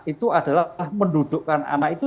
itu adalah mendudukkan anak itu